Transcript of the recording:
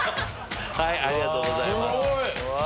ありがとうございます。